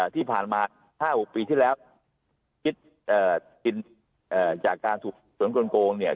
ที่ผ่านมา๕๖ปีที่แล้วคิดจากการถูกสวนกลงเนี่ย